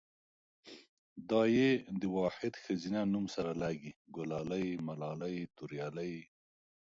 دا ۍ دا واحد ښځينه نوم سره لګي، ګلالۍ ملالۍ توريالۍ